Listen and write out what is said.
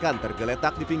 dan tahu saya hitung